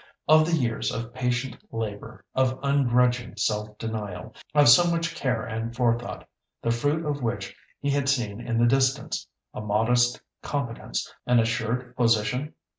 Of the years of patient labour, of ungrudging self denial, of so much care and forethought, the fruit of which he had seen in the distance, a modest competence, an assured position?